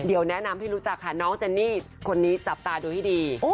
เดี๋ยวแนะนำให้รู้จักค่ะน้องเจนนี่คนนี้จับตาดูให้ดี